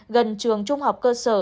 gần trường trung học cơ sở